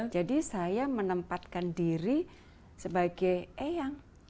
jadi saya menempatkan diri sebagai eyang